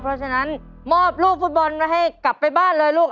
เพราะฉะนั้นมอบลูกฟุตบอลไว้ให้กลับไปบ้านเลยลูก